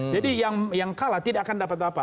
jadi yang kalah tidak akan dapat apa